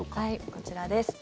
こちらです。